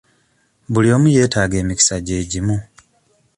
Buli omu yeetaga emikisa gye gimu.